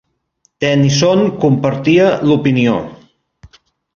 Tennyson compartia l'opinió.